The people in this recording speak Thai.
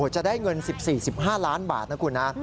จะได้เงิน๑๔๑๕ล้านบาทนะคุณนะ